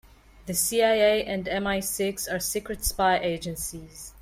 The CIA and MI-Six are secret spy agencies.